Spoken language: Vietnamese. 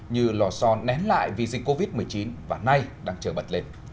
như lò so nén lại vì dịch covid một mươi chín và nay đang trở bật lên